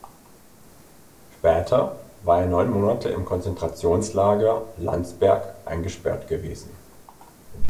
Später war er neun Monate im Konzentrationslager Landsberg eingesperrt gewesen.